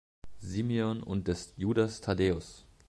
Simeon und des Judas Thaddäus.